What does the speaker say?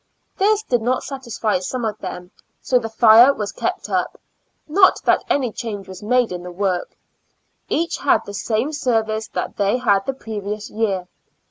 This did not satisfy some of them, so the fire was kept up ; not that any change was made in the work ; each had the same service that they had the previous year.